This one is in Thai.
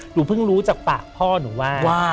หนูเพิ่งรู้จากปากพ่อหนูว่า